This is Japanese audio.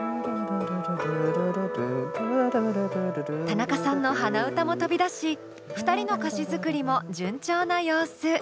たなかさんの鼻歌も飛び出し２人の歌詞作りも順調な様子。